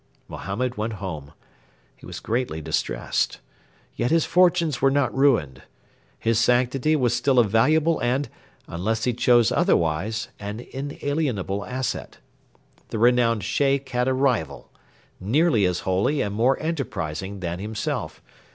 Mohammed went home. He was greatly distressed. Yet his fortunes were not ruined. His sanctity was still a valuable and, unless he chose otherwise, an inalienable asset. The renowned Sheikh had a rival nearly as holy and more enterprising than himself.